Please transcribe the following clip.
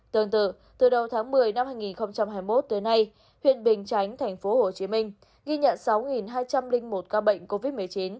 tương tự từ đầu tháng một mươi năm hai nghìn hai mươi một tới nay huyện bình chánh tp hcm ghi nhận sáu hai trăm linh một ca bệnh covid một mươi chín